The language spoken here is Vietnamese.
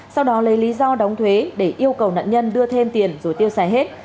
sau đó lấy lý do đóng thuế để yêu cầu nạn nhân đưa thêm tiền rồi tiêu xài hết